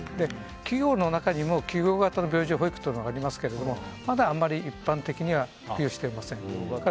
企業の中にも企業型の病児保育というのがありますけれどもまだあんまり一般的には普及しておりません。